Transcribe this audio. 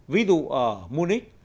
ví dụ ở munich